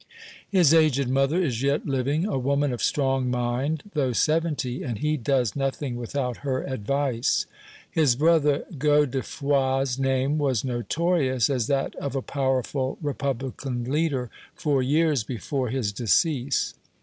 His aged mother is yet living, a woman of strong mind, though seventy, and he does nothing without her advice. His brother Godefroi's name was notorious as that of a powerful Republican leader for years before his decease.